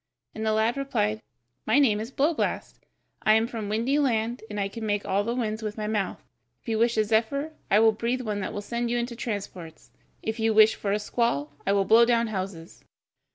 And the lad replied: "My name is Blowblast, I am from Windy Land, and I can make all the winds with my mouth. If you wish a zephyr, I will breathe one that will send you into transports. If you wish for a squall, I will blow down houses."